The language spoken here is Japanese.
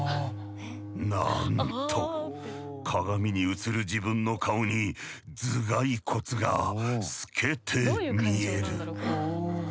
なんと鏡に映る自分の顔に頭蓋骨が透けて見える！